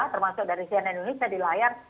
termasuk dari cnn indonesia di layar